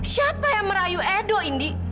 siapa yang merayu edo ini